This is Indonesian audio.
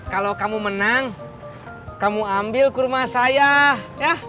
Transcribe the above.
kalau kamu menang kamu ambil kurma saya ya